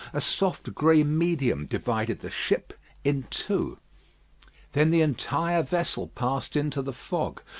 A soft grey medium divided the ship in two. Then the entire vessel passed into the fog.